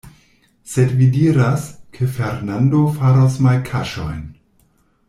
Sed vi diras, ke Fernando faros malkaŝojn.